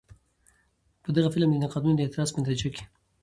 په غه فلم د نقادانو د اعتراض په نتيجه کښې